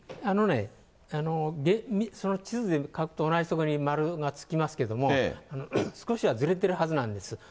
あのね、その地図で描くと同じ所に丸がつきますけれども、少しはずれてるはずなんです。